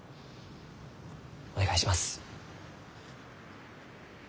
お願いします。